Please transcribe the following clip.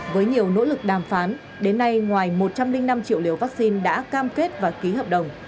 với nhiều nỗ lực đàm phán đến nay ngoài một trăm linh năm triệu liều vaccine đã cam kết và ký hợp đồng